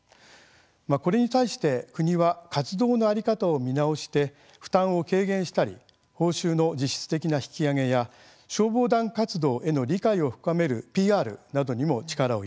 これに対して国は活動の在り方を見直して負担を軽減したり報酬の実質的な引き上げや消防団活動への理解を深めるＰＲなどにも力を入れています。